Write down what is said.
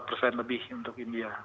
empat persen lebih untuk india